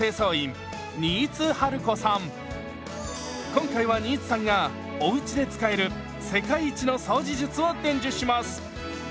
今回は新津さんがおうちで使える世界一の掃除術を伝授します！